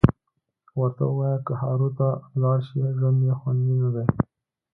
ورته ووایه که هارو ته لاړ شي ژوند یې خوندي ندی